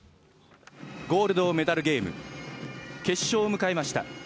ゴールドメダルゲーム、決勝を迎えました。